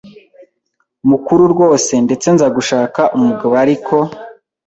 mukuru rwose ndetse nza gushaka umugbo ariko